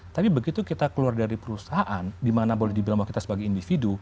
tapi begitu kita keluar dari perusahaan dimana boleh dibilang bahwa kita sebagai individu